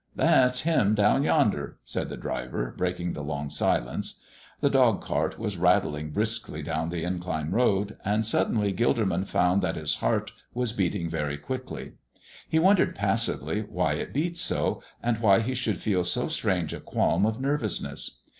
"That's Him down yonder," said the driver, breaking the long silence. The dog cart was rattling briskly down the incline road, and suddenly Gilderman found that his heart was beating very quickly. He wondered, passively, why it beat so, and why he should feel so strange a qualm of nervousness.